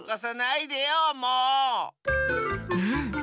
うん。